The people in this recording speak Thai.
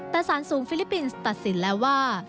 แต่สารสูงฟิลิปปินส์ตัดสินแล้วว่า